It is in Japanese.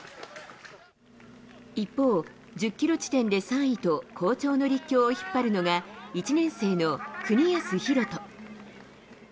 一方、１０キロ地点で３位と、好調の立教を引っ張るのが、１年生の國安広人。